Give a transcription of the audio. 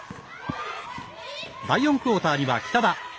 第４クオーターには北田。